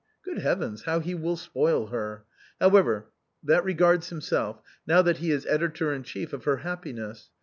Good heavens, how he will spoil her ! However, that regards himself, now that he is editor in chief of her happiness.